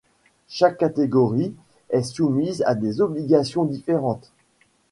Chaque catégorie est soumise à des obligations différentes.